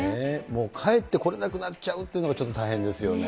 もう帰ってこれなくなっちゃうというのは、ちょっと大変ですよね。